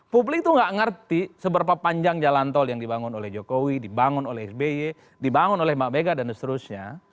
publik itu nggak ngerti seberapa panjang jalan tol yang dibangun oleh jokowi dibangun oleh sby dibangun oleh mbak mega dan seterusnya